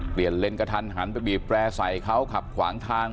เลนกระทันหันไปบีบแปรใส่เขาขับขวางทาง